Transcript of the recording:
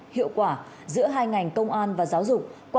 hiệu quả giữa hai ngành công an và giáo dục